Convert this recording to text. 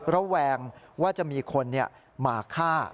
ระแวงว่าจะมีคนมาฆ่า